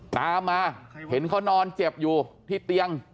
ตามมาเห็นเขานอนเจ็บอยู่ที่เตียง